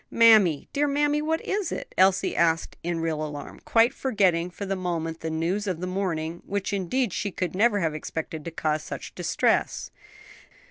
"Mammy, dear mammy, what is it?" Elsie asked in real alarm, quite forgetting for the moment the news of the morning, which indeed she could never have expected to cause such distress.